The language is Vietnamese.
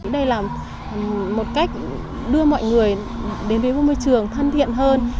đây là một cách đưa mọi người đến với môi trường thân thiện hơn